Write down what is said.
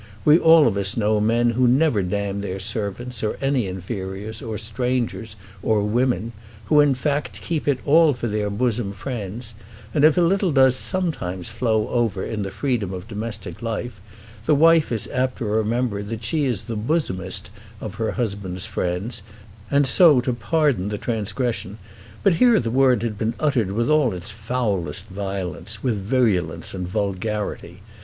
We all of us know men who never damn their servants, or any inferiors, or strangers, or women, who in fact keep it all for their bosom friends; and if a little does sometimes flow over in the freedom of domestic life, the wife is apt to remember that she is the bosomest of her husband's friends, and so to pardon the transgression. But here the word had been uttered with all its foulest violence, with virulence and vulgarity.